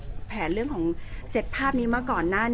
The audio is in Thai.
แต่ว่าสามีด้วยคือเราอยู่บ้านเดิมแต่ว่าสามีด้วยคือเราอยู่บ้านเดิม